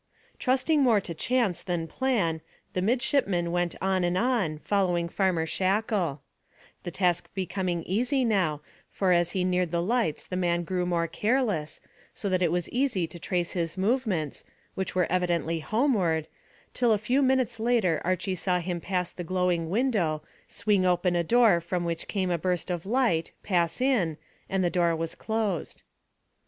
Trusting more to chance than plan, the midshipman went on and on, following Farmer Shackle; the task becoming easy now, for as he neared the lights the man grew more careless, so that it was easy to trace his movements, which were evidently homeward, till a few minutes later Archy saw him pass the glowing window, swing open a door from which came a burst of light, pass in, and the door was closed.